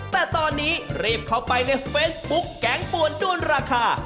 แต่ตอนนี้รีบเข้าไปในเฟซบุ๊กแกงปวนด้วนราคา